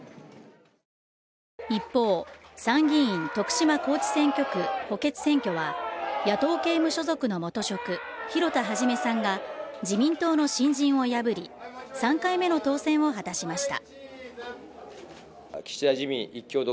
一方、参議院徳島・高知選挙区補欠選挙は、野党系無所属の元職・広田一さんが自民党の新人を破り、３回目の当選を果たしました。